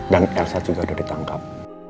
dan elsa juga udah ditangkap